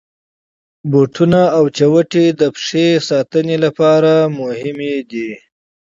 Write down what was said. بوټونه او چوټي د پښې ساتني لپاره مهمي دي.